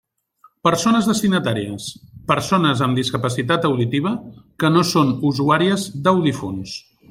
Persones destinatàries: persones amb discapacitat auditiva que no són usuàries d'audiòfons.